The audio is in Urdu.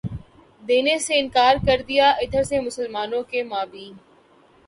دینے سے انکار کر دیا ادھر سے مسلمانوں کے مابین